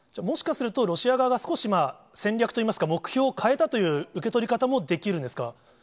もしかすると、ロシア側が少し戦略といいますか、目標を変えたという受け取り方もできるんですか。